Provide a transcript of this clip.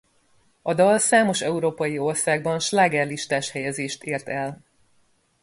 A dal számos Európai országban slágerlistás helyezést ért el.